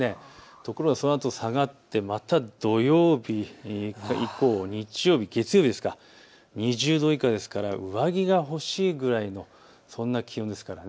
ところがそのあと下がってまた土曜日以降、日曜日、月曜日、２０度以下ですから上着が欲しいぐらいのそんな気温です。